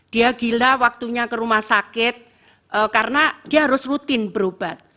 dia gila waktunya ke rumah sakit karena dia harus rutin berobat